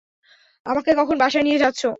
আমাকে কখন বাসায় নিয়ে যাচ্ছো?